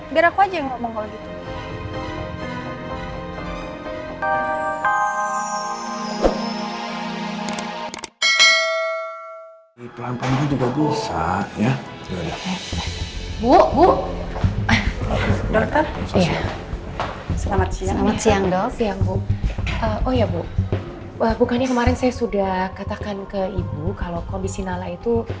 biar aku aja yang ngomong kalau gitu